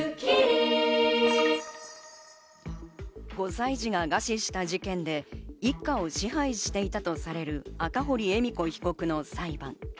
５歳児が餓死した事件で、一家を支配していたとされる赤堀恵美子被告の裁判。